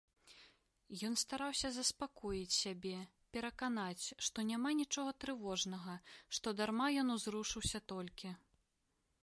Ён стараўся заспакоіць сябе, пераканаць, што няма нічога трывожнага, што дарма ён узрушыўся толькі.